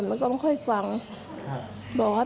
บอกละไปหางาน